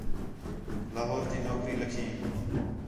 لاہور تی نوکری لَکھیئم